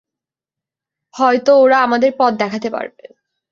হয়তো ওরা আমাদের পথ দেখাতে পারবে।